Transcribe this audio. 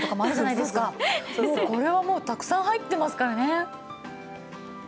これはもうたくさん入ってますからね。